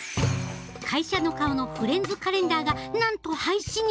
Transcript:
会社の顔のフレンズカレンダーがなんと廃止に！